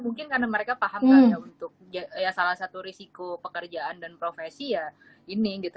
mungkin karena mereka paham kan ya untuk ya salah satu risiko pekerjaan dan profesi ya ini gitu